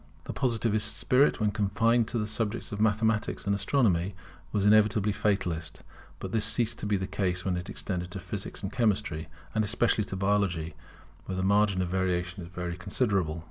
The Positive spirit, when confined to the subjects of Mathematics and Astronomy, was inevitably fatalist; but this ceased to be the case when it extended to Physics and Chemistry, and especially to Biology, where the margin of variation is very considerable.